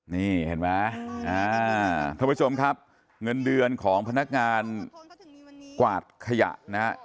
นี่เห็นไหมท่านผู้ชมครับเงินเดือนของพนักงานกวาดขยะนะฮะ